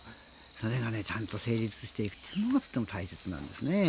それがちゃんと成立していくというのが大切なんですね。